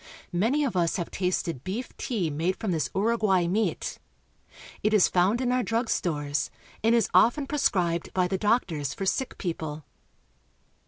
Many of us have tasted beef tea made from this Uruguay meat. It is found in our drug stores, and is often prescribed by the doctors for sick people.